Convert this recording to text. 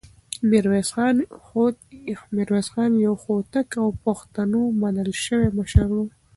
ميرويس خان يو هوتک او د پښتنو منل شوی مشر و.